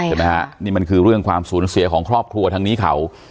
เห็นไหมฮะนี่มันคือเรื่องความสูญเสียของครอบครัวทางนี้เขา